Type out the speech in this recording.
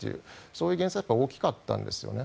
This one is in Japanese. そういうのは大きかったんですよね。